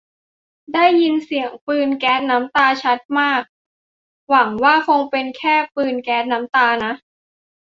ได้ยินเสียงปืนแก๊สน้ำตาชัดมาก หวังว่าคงเป็นแค่ปีนแก๊สน้ำตานะ